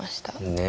ねえ。